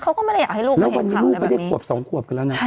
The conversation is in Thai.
เค้าก็ไม่ได้อยากให้เขาเห็นข่าวแบบนี้